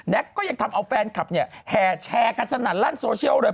แน็กก็ยังทำเอาแฟนคลับเนี่ยแห่แชร์กันสนานร่านโซเชียลด้วย